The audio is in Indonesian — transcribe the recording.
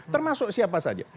termasuk siapa saja